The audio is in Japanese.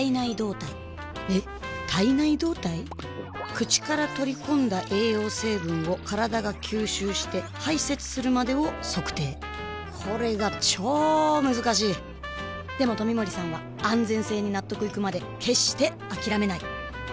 口から取り込んだ栄養成分を体が吸収して排泄するまでを測定これがチョー難しいでも冨森さんは安全性に納得いくまで決してあきらめない！